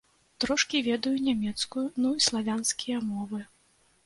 Трошкі ведаю нямецкую, ну і славянскія мовы.